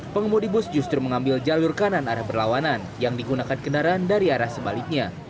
pengemudi bus justru mengambil jalur kanan arah berlawanan yang digunakan kendaraan dari arah sebaliknya